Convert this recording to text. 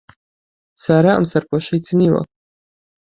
سارا ئەم سەرپۆشەی چنیوە.